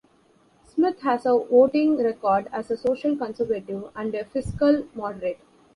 Smith has a voting record as a social conservative and a fiscal moderate.